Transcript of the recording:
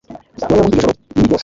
bo rero, muri iryo joro ribi rwose